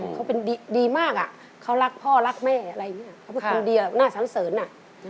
เขาเป็นดีมากอ่ะเขารักพ่อรักแม่อะไรอย่างนี้เขาเป็นคนดีน่าสังเสริญอ่ะ